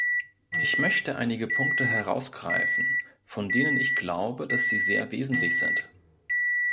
Ich möchte einige Punkte herausgreifen, von denen ich glaube, dass sie sehr wesentlich sind.